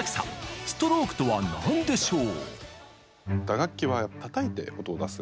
ストロークとは何でしょう？